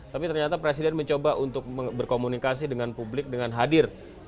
tapi ternyata presiden mencoba untuk berkomunikasi dengan publik dengan hadir